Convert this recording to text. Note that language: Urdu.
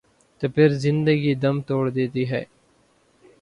تو پھر زندگی دم توڑ دیتی ہے۔